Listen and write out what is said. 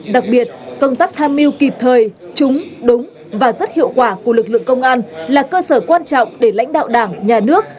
đặc biệt công tác tham mưu kịp thời trúng đúng và rất hiệu quả của lực lượng công an là cơ sở quan trọng để lãnh đạo đảng nhà nước